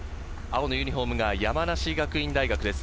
青のユニホームが山梨学院大学です。